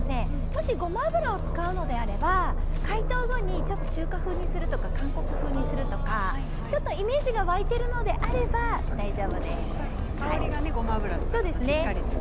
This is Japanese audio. もしごま油を使うのであれば解凍後にちょっと中華風にするとか韓国風にするとかイメージが湧いているのであれば大丈夫です。